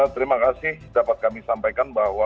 terima kasih dapat kami sampaikan bahwa